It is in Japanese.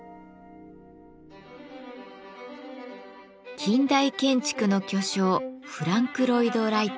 近代建築の巨匠フランク・ロイド・ライト。